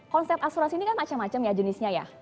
konsep asuransi ini kan macam macam ya jenisnya ya